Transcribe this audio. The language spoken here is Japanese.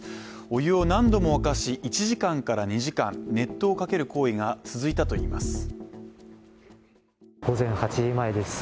お湯を何度も沸かし、１時間から２時間熱湯をかける行為が続いたといいます。